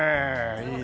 いいね。